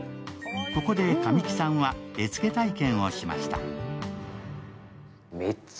ここで神木さんは絵付け体験をしました。